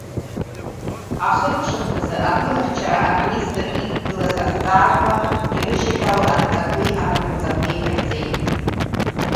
Ахыркәшамҭазы атәылахьчара аминистр иқәгылаз азҵаарақәа ирышьашәалоу адҵақәеи анапынҵақәеи ҟаиҵеит.